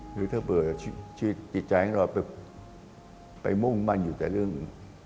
คือถ้าเบิกชีวิตจิตใจของเราไปมุ่งมั่นอยู่แต่เรื่อง